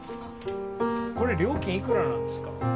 これ料金いくらなんですか？